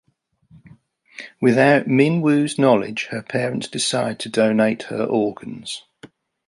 Without Min-woo's knowledge, her parents decide to donate her organs.